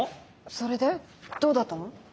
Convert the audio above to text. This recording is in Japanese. それでどうだったの？